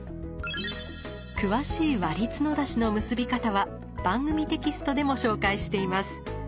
詳しい「割り角出し」の結び方は番組テキストでも紹介しています。